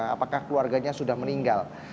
apakah keluarganya sudah meninggal